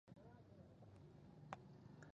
ځنډيخيل دوچ غړک سره خواکی دي